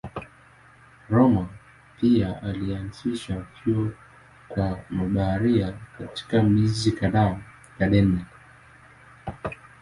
Rømer pia alianzisha vyuo kwa mabaharia katika miji kadhaa ya Denmark.